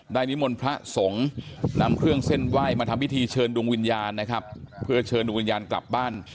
นิมนต์พระสงฆ์นำเครื่องเส้นไหว้มาทำพิธีเชิญดวงวิญญาณนะครับเพื่อเชิญดวงวิญญาณกลับบ้าน